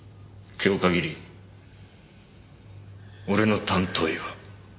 今日限り俺の担当医はクビだ。